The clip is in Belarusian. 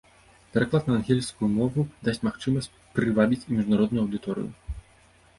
Пераклад на ангельскую мову дасць магчымасць прывабіць і міжнародную аўдыторыю.